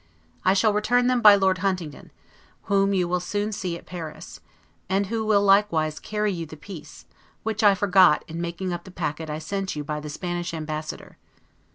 I shall return them by Lord Huntingdon, whom you will soon see at Paris, and who will likewise carry you the piece, which I forgot in making up the packet I sent you by the Spanish Ambassador.